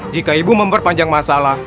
jika ibu memperpanjang masalah